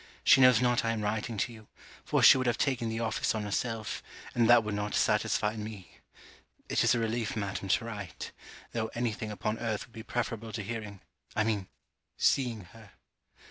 She knows not I am writing to you; for she would have taken the office on herself, and that would not satisfy me. It is a relief, madam, to write tho' any thing upon earth would be preferable to hearing I mean, seeing her.